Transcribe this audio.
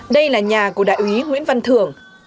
đây là nhà của đại úy nguyễn văn thường